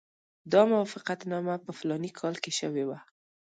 دا موافقتنامه په فلاني کال کې شوې وه.